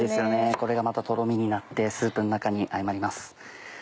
これがまたトロミになってスープの中に相まります。